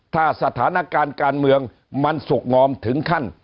ถ้าสถานการณ์การเมืองมันสุขงอมถึงขั้น